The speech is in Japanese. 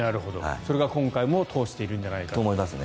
それが今回も通しているんじゃないかと。